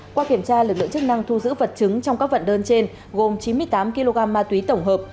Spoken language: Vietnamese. qua kiểm tra lực lượng chức năng thu giữ vật chứng trong các vận đơn trên gồm chín mươi tám kg ma túy tổng hợp